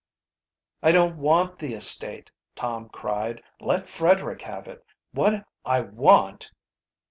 "I don't want the estate," Tom cried. "Let Frederick have it. What I want...."